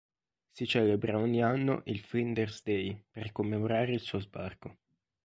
Si celebra ogni anno il "Flinders Day" per commemorare il suo sbarco.